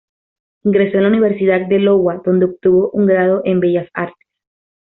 Ingresó en la Universidad de Iowa, donde obtuvo un grado en bellas artes.